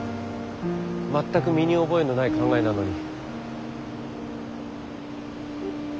全く身に覚えのない考えなのに。